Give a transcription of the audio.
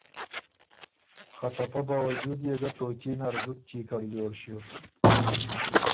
خه ته پۀ باؤجود يې ګۀ توچي نر زُت چېکړ جوړ ݭیوک